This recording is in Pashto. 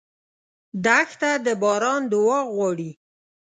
دښته د باران دعا غواړي.